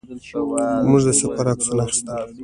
موږ د سفر عکسونه اخیستل.